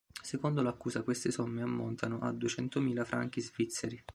Secondo l'accusa queste somme ammontano a duecentomila franchi svizzeri.